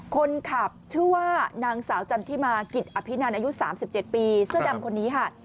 คนขับชื่อว่านางสาวจันทิมากิจอภินันอายุ๓๗ปีเสื้อดำคนนี้ค่ะ